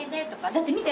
だって見て。